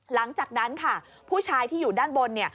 หลังจากนั้นค่ะผู้ชายที่อยู่ด้านบน